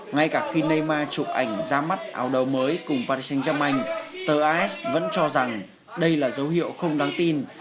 ngay cả khi neymar chụp ảnh ra mắt áo đấu mới cùng paris saint germain tờ a s vẫn cho rằng đây là dấu hiệu không đáng tin